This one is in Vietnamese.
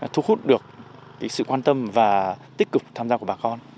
thu hút được sự quan tâm và tích cực tham gia của bà con